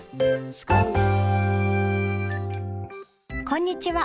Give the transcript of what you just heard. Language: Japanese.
こんにちは。